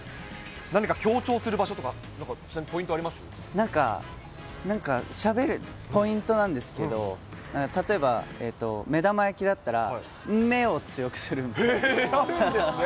何か強調する場所とか、なんか、しゃべるポイントなんですけど、例えば、目玉焼きだったら、あるんですね。